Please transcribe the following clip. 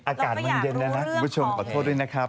แล้วแม่กันมันเย็นนะครับคุณผู้ชมกอธิบัตรด้วยนะครับ